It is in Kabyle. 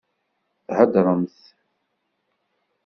Theddṛemt.